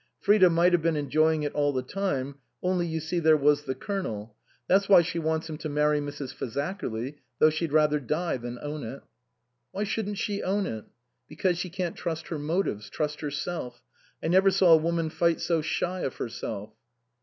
Frida might have been enjoying it all the time, only, you see, there was the Colonel. That's why she wants him to marry Mrs. Fazakerly, though she'd rather die than own it." " Why shouldn't she own it?" " Because she can't trust her motives, trust herself. I never saw a woman fight so shy of herself."